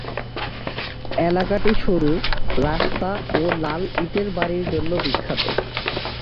এলাকাটি সরু রাস্তা ও লাল ইটের বাড়ির জন্য বিখ্যাত।